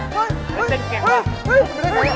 เต้นออกอย่างไร